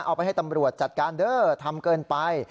เอาไปให้ตำรวจจัดการเด้อทำเกินไป